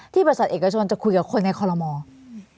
ที่บริษัทเอกชนที่จะคุยกับคนในคอลโลมอล์